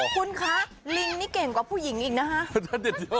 คุณคะลิงนี่เก่งกว่าผู้หญิงอีกนะคะ